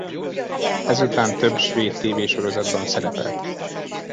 Ez után több svéd tévésorozatban szerepelt.